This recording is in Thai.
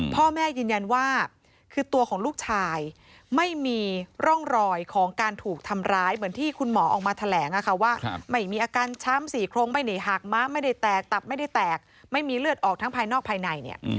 พ่อแม่ยืนยันว่าคือตัวของลูกชายไม่มีร่องรอยของการถูกทำร้ายเหมือนที่คุณหมอออกมาแถลงว่าไม่มีอาการช้ำสี่โครงไม่ได้หักม้าไม่ได้แตกตับไม่ได้แตกไม่มีเลือดออกทั้งภายนอกภายใน